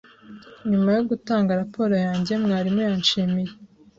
Nyuma yo gutanga raporo yanjye mwarimu yanshimiye,